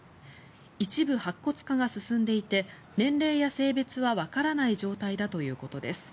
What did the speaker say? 一部、白骨化が進んでいて年齢や性別はわからない状態だということです。